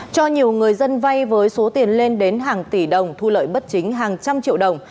cho nhiều người dân vay với số tiền lên đến hàng tỷ đồng thu lợi bất chính hàng trăm triệu đồng